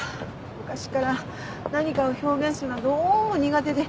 昔から何かを表現するのはどうも苦手で。